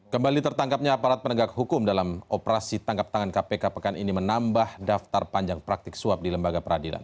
kembali tertangkapnya aparat penegak hukum dalam operasi tangkap tangan kpk pekan ini menambah daftar panjang praktik suap di lembaga peradilan